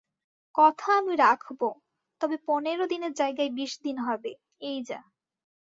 কথা আমি রাখব, তবে পনর দিনের জায়গায় বিশ দিন হবে, এই যা।